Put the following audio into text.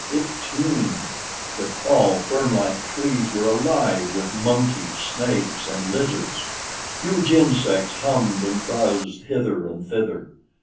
It teemed. The tall, fernlike trees were alive with monkeys, snakes, and lizards. Huge insects hummed and buzzed hither and thither.